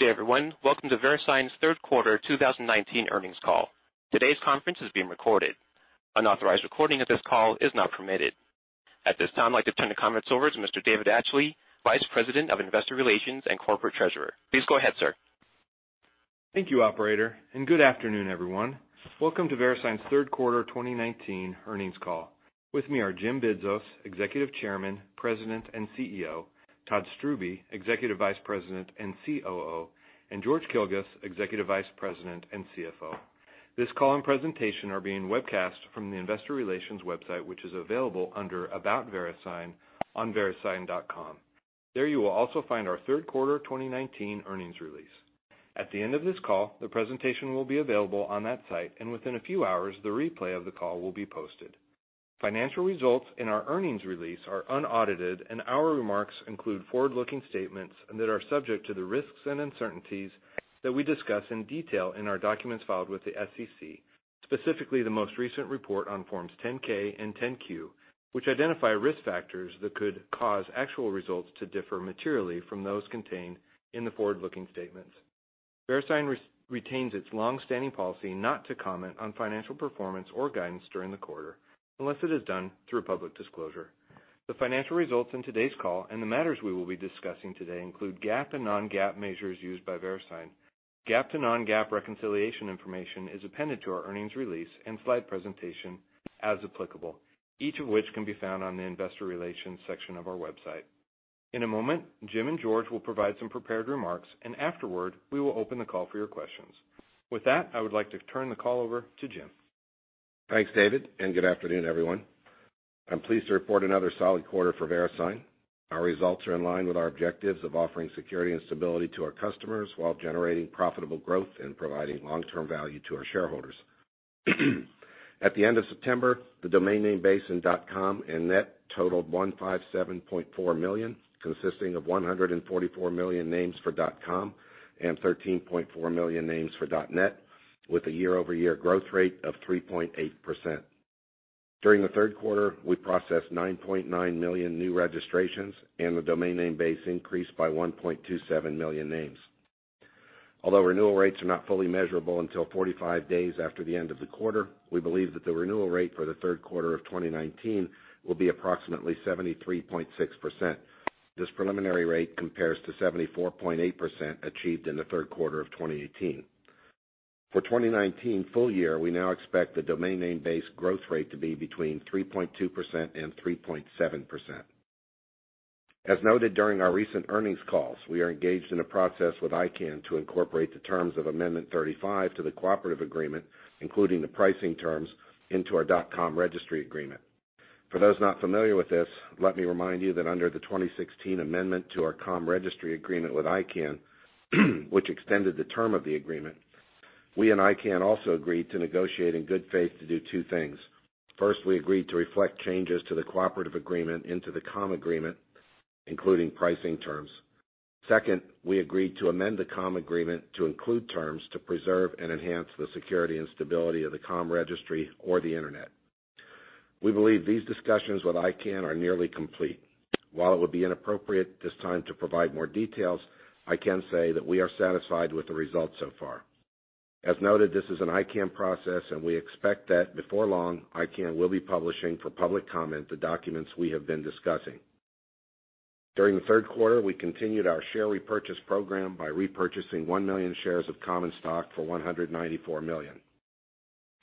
Good day, everyone. Welcome to VeriSign's third quarter 2019 earnings call. Today's conference is being recorded. Unauthorized recording of this call is not permitted. At this time, I'd like to turn the conference over to Mr. David Atchley, Vice President of Investor Relations and Corporate Treasurer. Please go ahead, sir. Thank you, operator, and good afternoon, everyone. Welcome to VeriSign's third quarter 2019 earnings call. With me are Jim Bidzos, executive chairman, president, and CEO, Todd Strubbe, executive vice president and COO, and George Kilguss, executive vice president and CFO. This call and presentation are being webcast from the investor relations website, which is available under About VeriSign on verisign.com. There you will also find our third quarter 2019 earnings release. At the end of this call, the presentation will be available on that site, and within a few hours, the replay of the call will be posted. Financial results in our earnings release are unaudited, and our remarks include forward-looking statements that are subject to the risks and uncertainties that we discuss in detail in our documents filed with the SEC, specifically the most recent report on forms 10-K and 10-Q, which identify risk factors that could cause actual results to differ materially from those contained in the forward-looking statements. VeriSign retains its longstanding policy not to comment on financial performance or guidance during the quarter, unless it is done through public disclosure. The financial results in today's call and the matters we will be discussing today include GAAP and non-GAAP measures used by VeriSign. GAAP to non-GAAP reconciliation information is appended to our earnings release and slide presentation as applicable, each of which can be found on the investor relations section of our website. In a moment, Jim and George will provide some prepared remarks, and afterward, we will open the call for your questions. With that, I would like to turn the call over to Jim. Thanks, David, and good afternoon, everyone. I'm pleased to report another solid quarter for VeriSign. Our results are in line with our objectives of offering security and stability to our customers while generating profitable growth and providing long-term value to our shareholders. At the end of September, the domain name base in .com and .net totaled 157.4 million, consisting of 144 million names for .com and 13.4 million names for .net, with a year-over-year growth rate of 3.8%. During the third quarter, we processed 9.9 million new registrations and the domain name base increased by 1.27 million names. Although renewal rates are not fully measurable until 45 days after the end of the quarter, we believe that the renewal rate for the third quarter of 2019 will be approximately 73.6%. This preliminary rate compares to 74.8% achieved in the third quarter of 2018. For 2019 full year, we now expect the domain name base growth rate to be between 3.2% and 3.7%. As noted during our recent earnings calls, we are engaged in a process with ICANN to incorporate the terms of Amendment 35 to the Cooperative Agreement, including the pricing terms into our .com registry agreement. For those not familiar with this, let me remind you that under the 2016 amendment to our .com registry agreement with ICANN, which extended the term of the agreement, we and ICANN also agreed to negotiate in good faith to do two things. First, we agreed to reflect changes to the Cooperative Agreement into the .com agreement, including pricing terms. Second, we agreed to amend the .com agreement to include terms to preserve and enhance the security and stability of the .com registry or the internet. We believe these discussions with ICANN are nearly complete. While it would be inappropriate at this time to provide more details, I can say that we are satisfied with the results so far. As noted, this is an ICANN process and we expect that before long, ICANN will be publishing for public comment the documents we have been discussing. During the third quarter, we continued our share repurchase program by repurchasing 1 million shares of common stock for $194 million.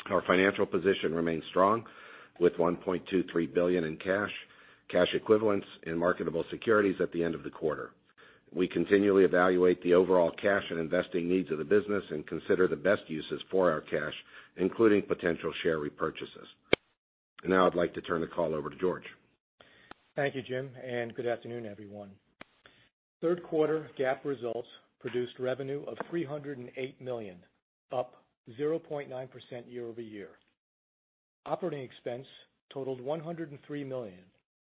Our financial position remains strong with $1.23 billion in cash equivalents, and marketable securities at the end of the quarter. We continually evaluate the overall cash and investing needs of the business and consider the best uses for our cash, including potential share repurchases. Now I'd like to turn the call over to George. Thank you, Jim, and good afternoon, everyone. Third quarter GAAP results produced revenue of $308 million, up 0.9% year-over-year. Operating expense totaled $103 million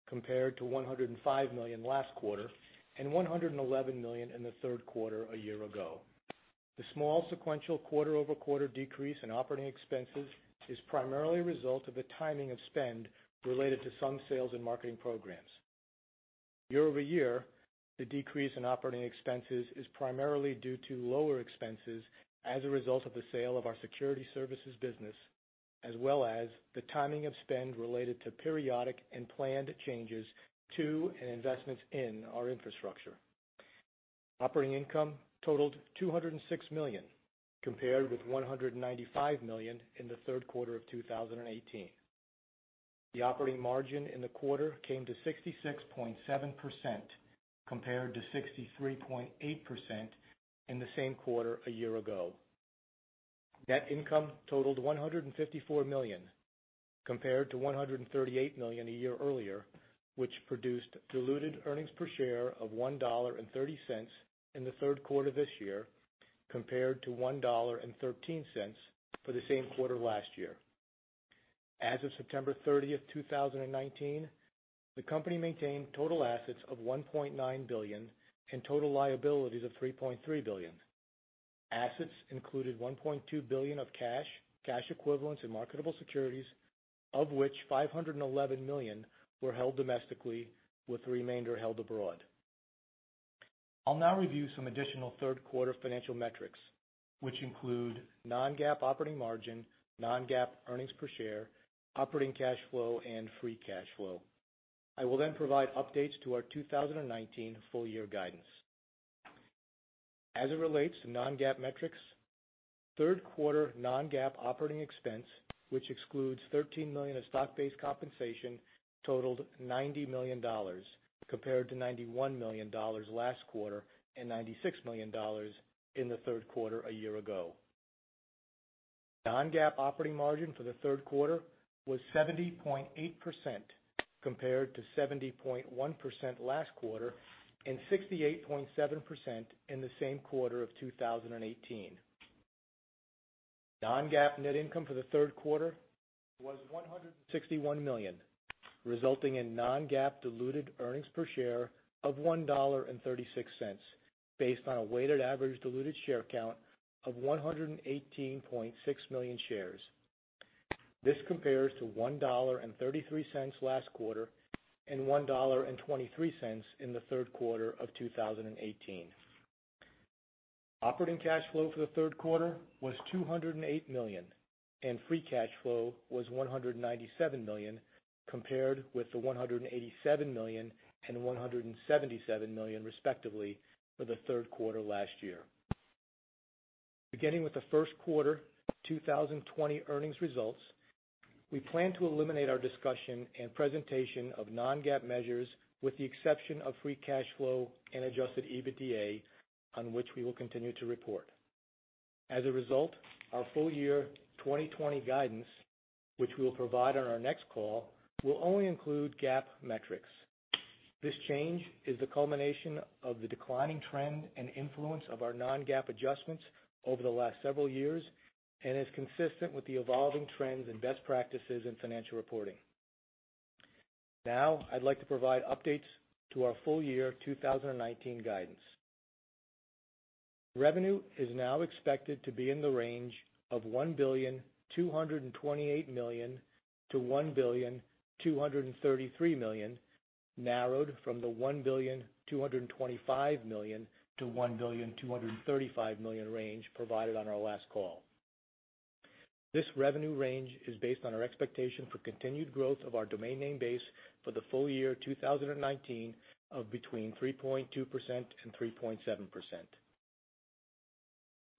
compared to $105 million last quarter and $111 million in the third quarter a year ago. The small sequential quarter-over-quarter decrease in operating expenses is primarily a result of the timing of spend related to some sales and marketing programs. Year-over-year, the decrease in operating expenses is primarily due to lower expenses as a result of the sale of our security services business, as well as the timing of spend related to periodic and planned changes to and investments in our infrastructure. Operating income totaled $206 million, compared with $195 million in the third quarter of 2018. The operating margin in the quarter came to 66.7%, compared to 63.8% in the same quarter a year ago. Net income totaled $154 million, compared to $138 million a year earlier, which produced diluted earnings per share of $1.30 in the third quarter this year, compared to $1.13 for the same quarter last year. As of September 30th, 2019, the company maintained total assets of $1.9 billion and total liabilities of $3.3 billion. Assets included $1.2 billion of cash equivalents, and marketable securities, of which $511 million were held domestically, with the remainder held abroad. I'll now review some additional third-quarter financial metrics, which include non-GAAP operating margin, non-GAAP earnings per share, operating cash flow, and free cash flow. I will then provide updates to our 2019 full-year guidance. As it relates to non-GAAP metrics, third-quarter non-GAAP operating expense, which excludes $13 million of stock-based compensation, totaled $90 million, compared to $91 million last quarter and $96 million in the third quarter a year ago. Non-GAAP operating margin for the third quarter was 70.8%, compared to 70.1% last quarter and 68.7% in the same quarter of 2018. Non-GAAP net income for the third quarter was $161 million, resulting in non-GAAP diluted earnings per share of $1.36, based on a weighted average diluted share count of 118.6 million shares. This compares to $1.33 last quarter and $1.23 in the third quarter of 2018. Operating cash flow for the third quarter was $208 million, and free cash flow was $197 million, compared with the $187 million and $177 million, respectively, for the third quarter last year. Beginning with the first quarter 2020 earnings results, we plan to eliminate our discussion and presentation of non-GAAP measures with the exception of free cash flow and adjusted EBITDA, on which we will continue to report. As a result, our full-year 2020 guidance, which we'll provide on our next call, will only include GAAP metrics. This change is the culmination of the declining trend and influence of our non-GAAP adjustments over the last several years and is consistent with the evolving trends and best practices in financial reporting. I'd like to provide updates to our full-year 2019 guidance. Revenue is now expected to be in the range of $1,228,000,000-$1,233,000,000, narrowed from the $1,225,000,000-$1,235,000,000 range provided on our last call. This revenue range is based on our expectation for continued growth of our domain name base for the full year 2019 of between 3.2% and 3.7%.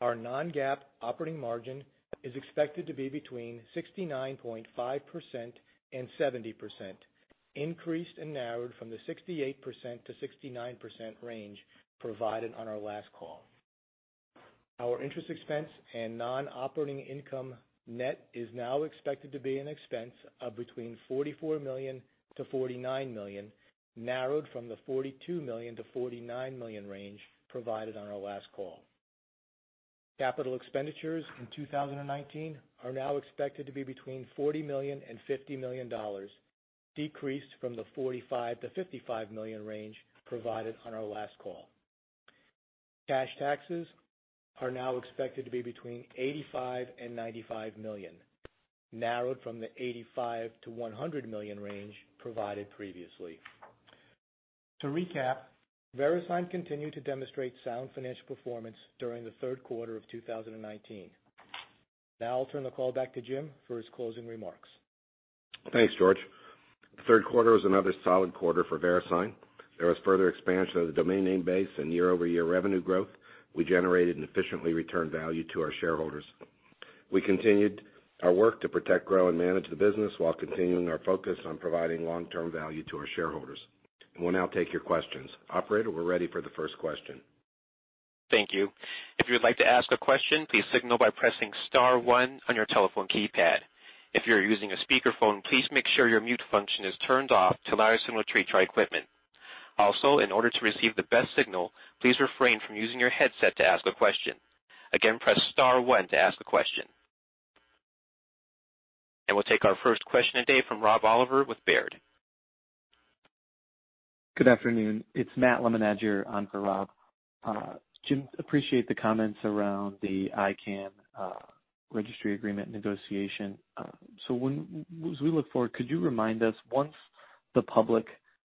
Our non-GAAP operating margin is expected to be between 69.5% and 70%, increased and narrowed from the 68%-69% range provided on our last call. Our interest expense and non-operating income net is now expected to be an expense of between $44 million-$49 million, narrowed from the $42 million-$49 million range provided on our last call. Capital expenditures in 2019 are now expected to be between $40 million and $50 million, decreased from the $45 million-$55 million range provided on our last call. Cash taxes are now expected to be between $85 million and $95 million, narrowed from the $85 million-$100 million range provided previously. To recap, VeriSign continued to demonstrate sound financial performance during the third quarter of 2019. I'll turn the call back to Jim for his closing remarks. Thanks, George. The third quarter was another solid quarter for VeriSign. There was further expansion of the domain name base and year-over-year revenue growth. We generated and efficiently returned value to our shareholders. We continued our work to protect, grow, and manage the business while continuing our focus on providing long-term value to our shareholders. We'll now take your questions. Operator, we're ready for the first question. Thank you. If you would like to ask a question, please signal by pressing star one on your telephone keypad. If you're using a speakerphone, please make sure your mute function is turned off to allow us to manipulate equipment. Also, in order to receive the best signal, please refrain from using your headset to ask a question. Again, press star one to ask a question. We'll take our first question today from Rob Oliver with Baird. Good afternoon. It's Matt Lemondiger on for Rob. Jim, appreciate the comments around the ICANN registry agreement negotiation. As we look forward, could you remind us, once the public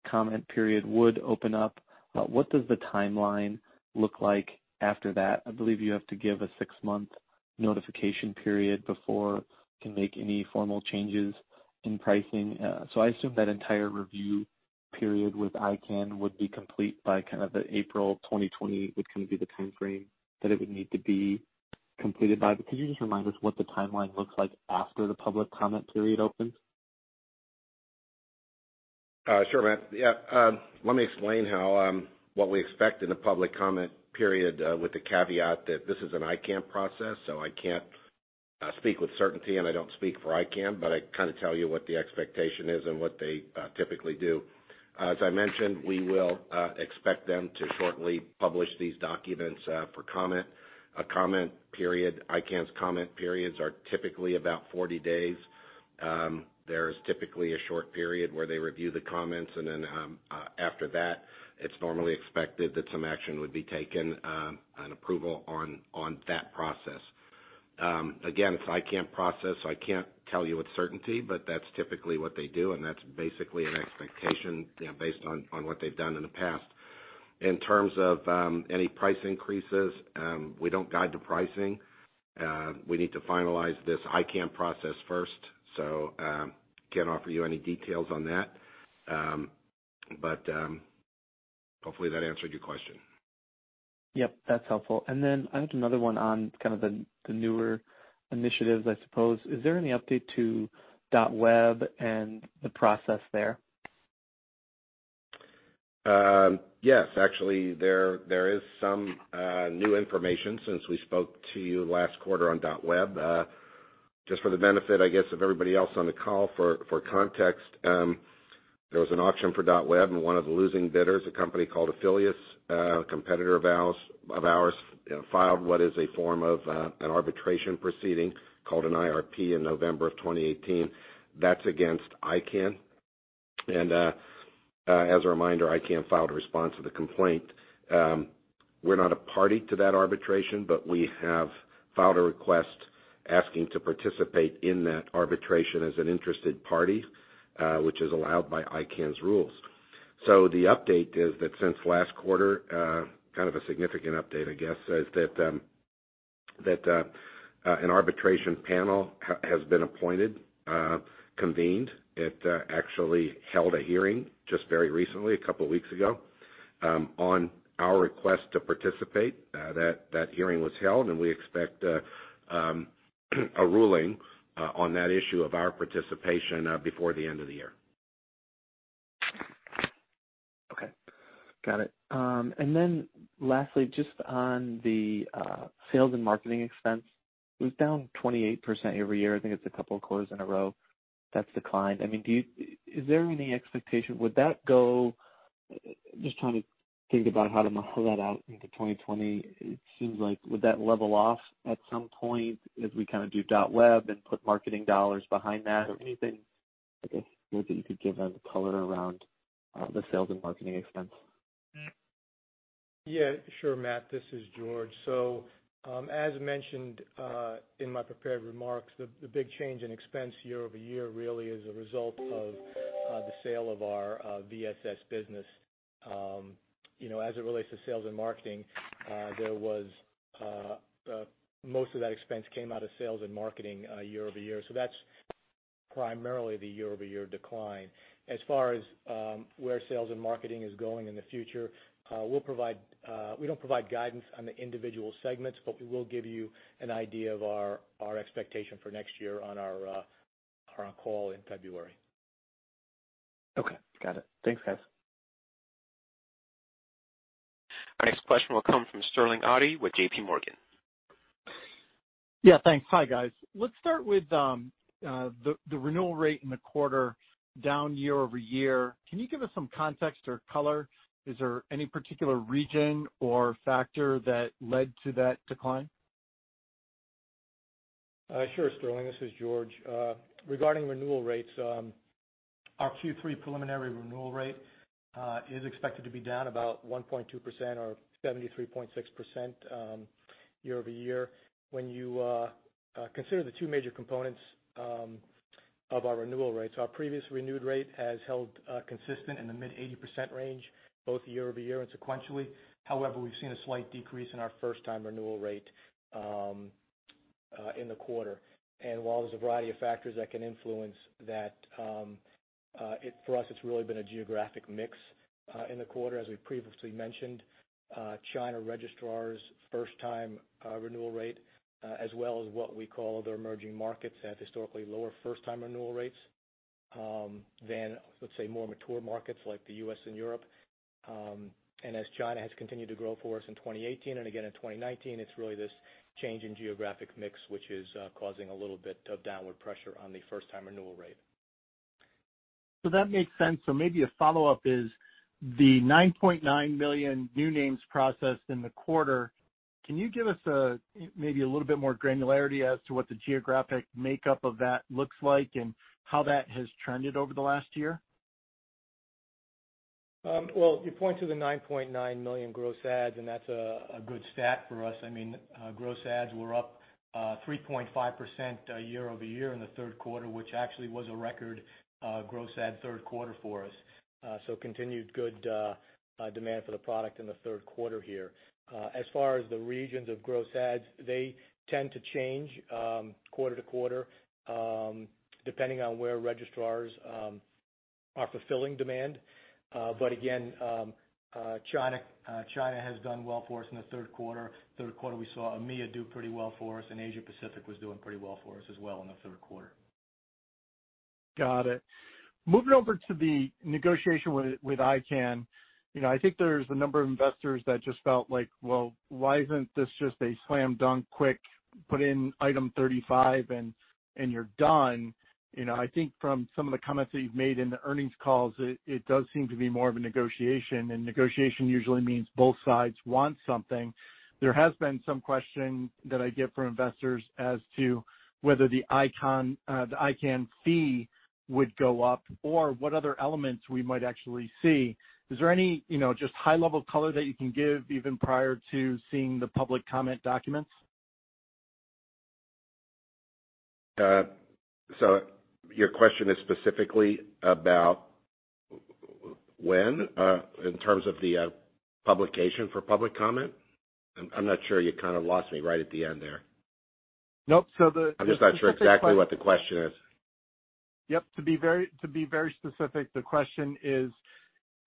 comment period would open up, what does the timeline look like after that? I believe you have to give a six-month notification period before you can make any formal changes in pricing. I assume that entire review period with ICANN would be complete by April 2020, would be the time frame that it would need to be completed by. Could you just remind us what the timeline looks like after the public comment period opens? Sure, Matt. Yeah. Let me explain what we expect in the public comment period, with the caveat that this is an ICANN process, so I can't speak with certainty, and I don't speak for ICANN, but I kind of tell you what the expectation is and what they typically do. As I mentioned, we will expect them to shortly publish these documents for comment. ICANN's comment periods are typically about 40 days. There's typically a short period where they review the comments, and then after that, it's normally expected that some action would be taken, an approval on that process. Again, it's ICANN process. I can't tell you with certainty, but that's typically what they do, and that's basically an expectation based on what they've done in the past. In terms of any price increases, we don't guide to pricing. We need to finalize this ICANN process first, so can't offer you any details on that. Hopefully that answered your question. Yep, that's helpful. Then I have another one on kind of the newer initiatives, I suppose. Is there any update to .web and the process there? Yes. Actually, there is some new information since we spoke to you last quarter on .web. Just for the benefit, I guess, of everybody else on the call, for context, there was an auction for .web, and one of the losing bidders, a company called Afilias, a competitor of ours, filed what is a form of an arbitration proceeding called an IRP in November of 2018. That's against ICANN. As a reminder, ICANN filed a response to the complaint. We're not a party to that arbitration, but we have filed a request asking to participate in that arbitration as an interested party, which is allowed by ICANN's rules. The update is that since last quarter, kind of a significant update, I guess, is that an arbitration panel has been appointed, convened. It actually held a hearing just very recently, a couple of weeks ago, on our request to participate. That hearing was held. We expect a ruling on that issue of our participation before the end of the year. Okay. Got it. Lastly, just on the sales and marketing expense. It was down 28% year-over-year. I think it's a couple of quarters in a row that's declined. Is there any expectation? Just trying to think about how to model that out into 2020. It seems like, would that level off at some point as we kind of do .web and put marketing dollars behind that? Anything, I guess, maybe you could give on the color around the sales and marketing expense? Yeah. Sure, Matt, this is George. As mentioned in my prepared remarks, the big change in expense year-over-year really is a result of the sale of our VSS business. As it relates to sales and marketing, most of that expense came out of sales and marketing year-over-year. That's primarily the year-over-year decline. As far as where sales and marketing is going in the future, we don't provide guidance on the individual segments, but we will give you an idea of our expectation for next year on our call in February. Okay. Got it. Thanks, guys. Our next question will come from Sterling Auty with JPMorgan. Yeah, thanks. Hi, guys. Let's start with the renewal rate in the quarter, down year-over-year. Can you give us some context or color? Is there any particular region or factor that led to that decline? Sure, Sterling. This is George. Regarding renewal rates, our Q3 preliminary renewal rate is expected to be down about 1.2% or 73.6% year-over-year. When you consider the two major components of our renewal rates, our previous renewed rate has held consistent in the mid 80% range, both year-over-year and sequentially. We've seen a slight decrease in our first-time renewal rate in the quarter. While there's a variety of factors that can influence that, for us, it's really been a geographic mix in the quarter. As we've previously mentioned, China registrars' first-time renewal rate, as well as what we call the emerging markets, have historically lower first-time renewal rates than, let's say, more mature markets like the U.S. and Europe. As China has continued to grow for us in 2018 and again in 2019, it's really this change in geographic mix which is causing a little bit of downward pressure on the first-time renewal rate. That makes sense. Maybe a follow-up is the 9.9 million new names processed in the quarter. Can you give us maybe a little bit more granularity as to what the geographic makeup of that looks like and how that has trended over the last year? Well, you point to the 9.9 million gross adds, and that's a good stat for us. Gross adds were up 3.5% year-over-year in the third quarter, which actually was a record gross add third quarter for us. Continued good demand for the product in the third quarter here. As far as the regions of gross adds, they tend to change quarter-to-quarter, depending on where registrars are fulfilling demand. Again, China has done well for us in the third quarter. Third quarter, we saw EMEA do pretty well for us, and Asia Pacific was doing pretty well for us as well in the third quarter. Got it. Moving over to the negotiation with ICANN. I think there's a number of investors that just felt like, well, why isn't this just a slam dunk, quick, put in item 35 and you're done? I think from some of the comments that you've made in the earnings calls, it does seem to be more of a negotiation, and negotiation usually means both sides want something. There has been some question that I get from investors as to whether the ICANN fee would go up or what other elements we might actually see. Is there any just high-level color that you can give, even prior to seeing the public comment documents? Your question is specifically about when, in terms of the publication for public comment? I'm not sure. You kind of lost me right at the end there. Nope. I'm just not sure exactly what the question is. Yep. To be very specific, the question is,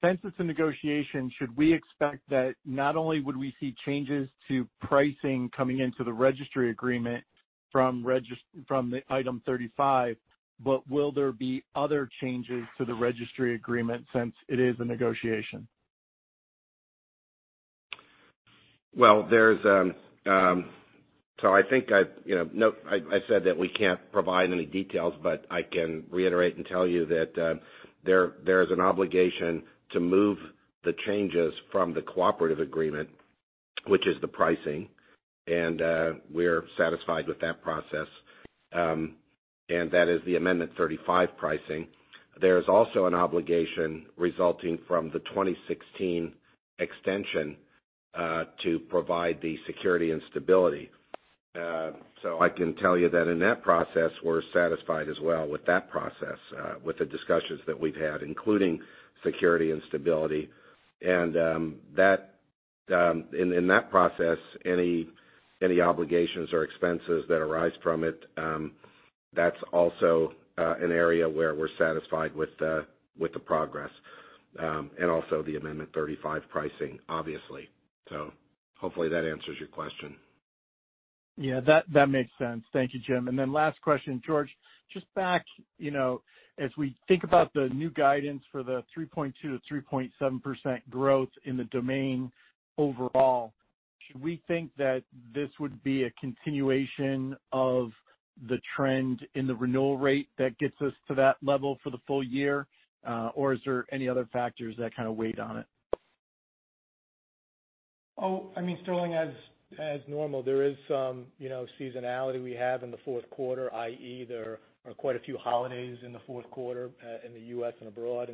since it's a negotiation, should we expect that not only would we see changes to pricing coming into the registry agreement from the Amendment 35, but will there be other changes to the registry agreement since it is a negotiation? I think I said that we can't provide any details, but I can reiterate and tell you that there is an obligation to move the changes from the Cooperative Agreement, which is the pricing, and we're satisfied with that process. That is the Amendment 35 pricing. There's also an obligation resulting from the 2016 extension, to provide the security and stability. I can tell you that in that process, we're satisfied as well with that process, with the discussions that we've had, including security and stability. In that process, any obligations or expenses that arise from it, that's also an area where we're satisfied with the progress, and also the Amendment 35 pricing, obviously. Hopefully that answers your question. Yeah, that makes sense. Thank you, Jim. Last question, George, just back, as we think about the new guidance for the 3.2%-3.7% growth in the domain overall, should we think that this would be a continuation of the trend in the renewal rate that gets us to that level for the full year? Or is there any other factors that kind of weighed on it? Oh, I mean, Sterling, as normal, there is some seasonality we have in the fourth quarter, i.e., there are quite a few holidays in the fourth quarter, in the U.S. and abroad.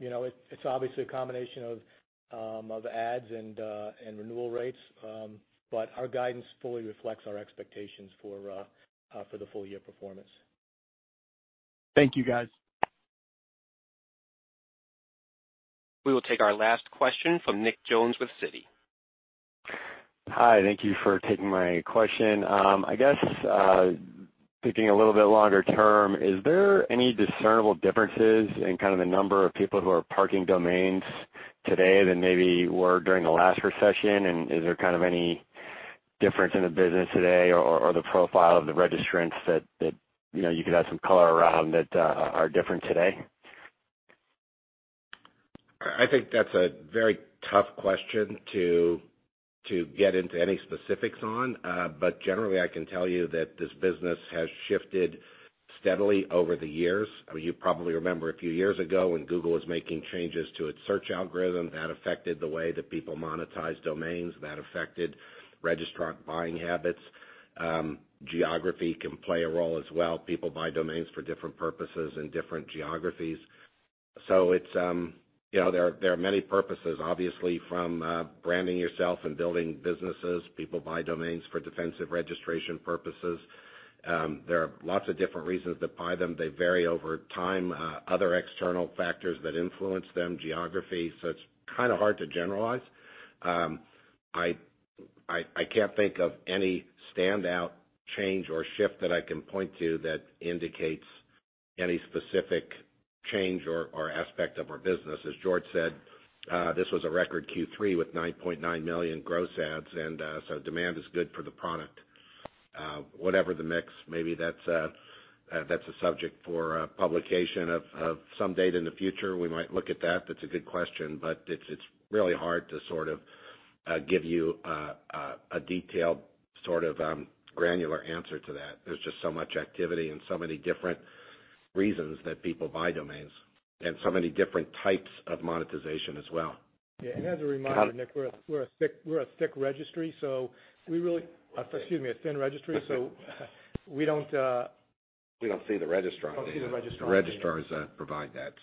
It's obviously a combination of adds and renewal rates. Our guidance fully reflects our expectations for the full-year performance. Thank you, guys. We will take our last question from Nick Jones with Citi. Hi. Thank you for taking my question. I guess, thinking a little bit longer term, is there any discernible differences in kind of the number of people who are parking domains today than maybe were during the last recession? Is there kind of any difference in the business today or the profile of the registrants that you could have some color around that are different today? I think that's a very tough question to get into any specifics on. Generally, I can tell you that this business has shifted steadily over the years. You probably remember a few years ago when Google was making changes to its search algorithm. That affected the way that people monetize domains. That affected registrant buying habits. Geography can play a role as well. People buy domains for different purposes in different geographies. There are many purposes. Obviously, from branding yourself and building businesses, people buy domains for defensive registration purposes. There are lots of different reasons they buy them. They vary over time. Other external factors that influence them, geography. It's kind of hard to generalize. I can't think of any standout change or shift that I can point to that indicates any specific change or aspect of our business. As George said, this was a record Q3 with 9.9 million gross adds. Demand is good for the product. Whatever the mix, maybe that's a subject for publication of some date in the future. We might look at that. That's a good question. It's really hard to sort of give you a detailed sort of granular answer to that. There's just so much activity and so many different reasons that people buy domains, and so many different types of monetization as well. Yeah. As a reminder, Nick, we're a thick registry, excuse me, a thin registry, so we don't- We don't see the registrant data. We don't see the registrant data. The registrars provide that.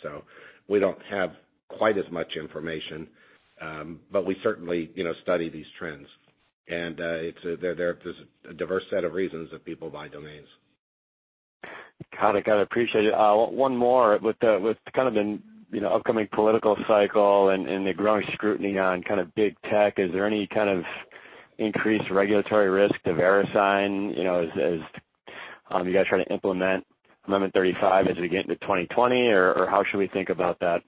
We don't have quite as much information. We certainly study these trends. There's a diverse set of reasons that people buy domains. Got it. Appreciate it. One more. With kind of the upcoming political cycle and the growing scrutiny on big tech, is there any kind of increased regulatory risk to VeriSign, as you guys try to implement Amendment 35 as we get into 2020? How should we think about that?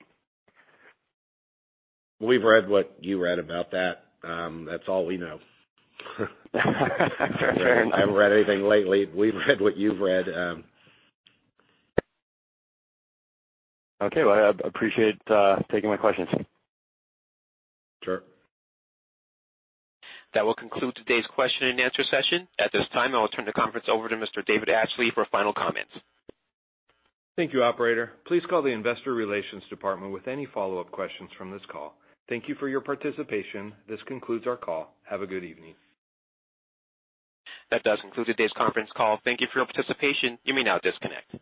We've read what you read about that. That's all we know. I haven't read anything lately. We've read what you've read. Okay. Well, I appreciate taking my questions. Sure. That will conclude today's question and answer session. At this time, I will turn the conference over to Mr. David Atchley for final comments. Thank you, operator. Please call the investor relations department with any follow-up questions from this call. Thank you for your participation. This concludes our call. Have a good evening. That does conclude today's conference call. Thank you for your participation. You may now disconnect.